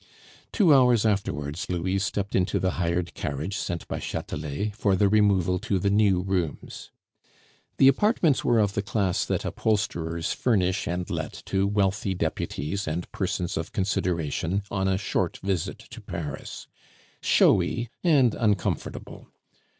Two hours afterwards Louise stepped into the hired carriage sent by Chatelet for the removal to the new rooms. The apartments were of the class that upholsterers furnish and let to wealthy deputies and persons of consideration on a short visit to Paris showy and uncomfortable.